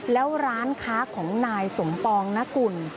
แล้วร้านค้าของนายสมปองนกุล